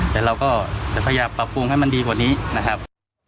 แต่เราก็จะพยายามปรับปรุงให้มันดีกว่านี้นะครับ